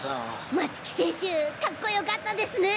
松木選手カッコよかったですね。